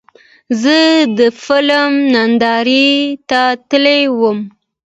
زه د فلم نندارې ته تللی وم.